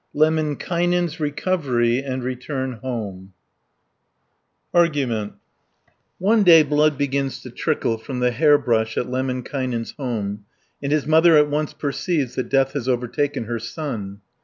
LEMMINKAINEN'S RECOVERY AND RETURN HOME Argument One day blood begins to trickle from the hair brush at Lemminkainen's home, and his mother at once perceives that death has overtaken her son.